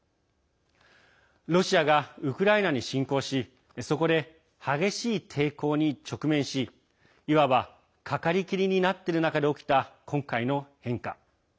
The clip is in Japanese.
ロシアがウクライナに侵攻しそこで激しい抵抗に直面しいわばかかりきりになっている中で起きた、今回の変化。